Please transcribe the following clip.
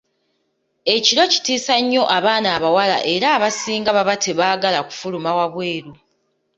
Ekiro kitiisa nnyo abaana abawala era abasinga baba tebaagala kufuluma wabweru.